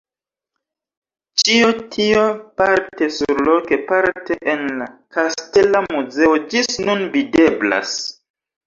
Ĉio tio parte surloke parte en la Kastela muzeo ĝis nun videblas.